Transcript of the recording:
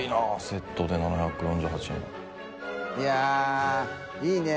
セットで７４８円い筺舛いいね。